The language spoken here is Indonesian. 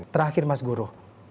terakhir mas guru